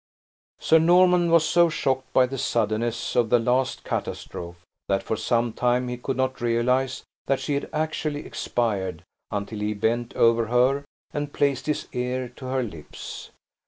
Sir Norman was so shocked by the suddenness of the last catastrophe, that, for some time, he could not realize that she had actually expired, until he bent over her, and placed his ear to her lips.